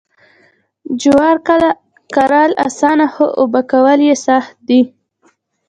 جوار کرل اسانه خو اوبه کول یې سخت دي.